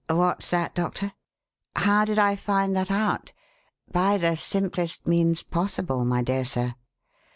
What's that, Doctor? How did I find that out? By the simplest means possible, my dear sir.